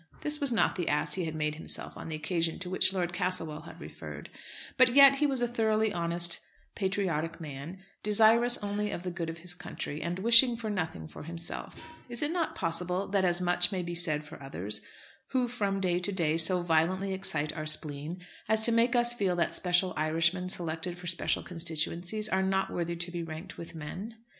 This was not the ass he had made himself on the occasion to which Lord Castlewell had referred. But yet he was a thoroughly honest, patriotic man, desirous only of the good of his country, and wishing for nothing for himself. Is it not possible that as much may be said for others, who from day to day so violently excite our spleen, as to make us feel that special Irishmen selected for special constituencies are not worthy to be ranked with men?